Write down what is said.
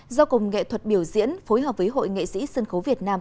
do cộng nghệ thuật biểu diễn phối hợp với hội nghệ sĩ sân khấu việt nam